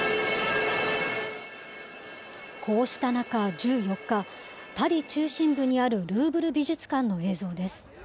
こうした中、１４日、パリ中心部にあるルーブル美術館の映像です。